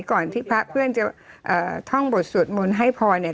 ก่อนที่พระเพื่อนจะเอ่อท่องบทสวดมนต์ให้พรเนี่ย